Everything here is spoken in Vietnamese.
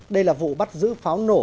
đây là vụ bắt giữ pháo nổ